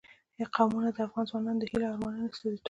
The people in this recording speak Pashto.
قومونه د افغان ځوانانو د هیلو او ارمانونو استازیتوب کوي.